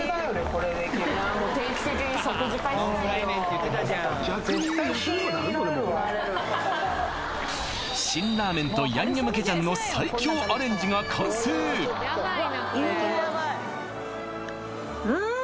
これで定期的に食事会したいよなれる辛ラーメンとヤンニョムケジャンの最強アレンジが完成うん！